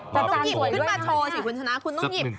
ต้องหยิบขึ้นมาโชว์สิคุณชนะ